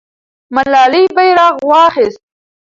ملالۍ بیرغ واخیست.